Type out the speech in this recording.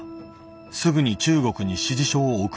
すぐに中国に指示書を送り